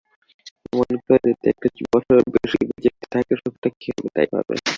অমন করে দুটো একটা বছর বেশি বেঁচে থেকে সুখটা কী হবে, তাই ভাবে।